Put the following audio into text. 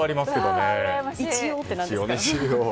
一応って何ですか。